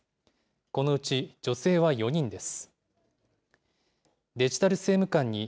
このうち女性は４人です。